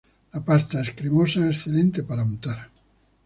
La pasta es cremosa, excelente para untar.